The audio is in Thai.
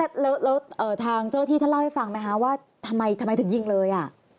แล้วทางเจ้าที่ท่านเล่าให้ฟังไหมคะว่าทำไมถึงยิงเลย